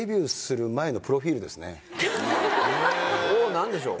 何でしょう？